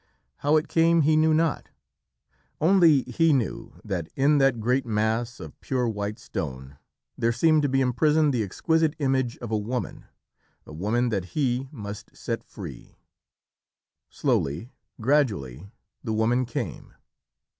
How it came he knew not. Only he knew that in that great mass of pure white stone there seemed to be imprisoned the exquisite image of a woman, a woman that he must set free. Slowly, gradually, the woman came.